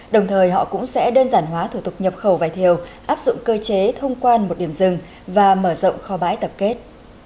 đồng thời họ cũng sẽ đơn giản hóa thủ tục nhập khẩu vải thiều áp dụng cơ chế thông quan một điểm rừng và mở rộng kho bãi tập kết